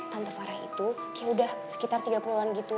tante farah itu kayak udah sekitar tiga puluh an gitu